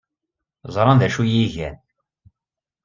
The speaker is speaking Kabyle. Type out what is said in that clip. Ẓran d acu ay iyi-gan.